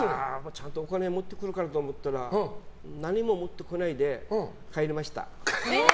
ちゃんとお金を持ってくるかなと思ったら何も持ってこないで帰りました。